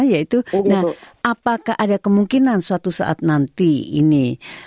yaitu nah apakah ada kemungkinan suatu saat nanti ini